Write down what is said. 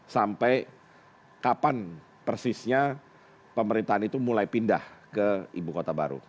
sampai kapan persisnya pemerintahan itu mulai pindah ke ibu kota baru